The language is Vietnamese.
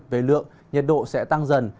về lượng nhiệt độ sẽ tăng dần